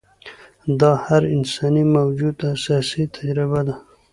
دا د هر انساني موجود اساسي تجربه ده.